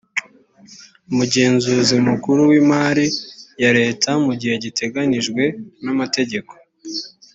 umugenzuzi mukuru w imari ya leta mu gihe giteganyijwe n amategeko